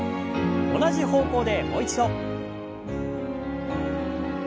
同じ方向でもう一度。